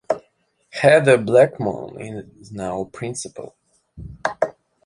Heather Blackmon is now principal.